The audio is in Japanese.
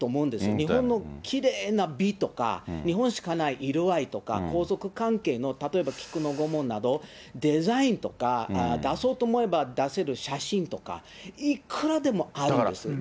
日本のきれいな美とか、日本しかない色合いとか、皇族関係の、例えば菊のご紋など、デザインとか出そうと思えば出せる写真とか、いくらでもあるんです。